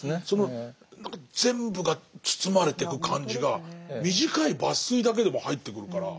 その何か全部が包まれてく感じが短い抜粋だけでも入ってくるから。